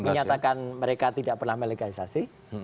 menyatakan mereka tidak pernah melegalisasi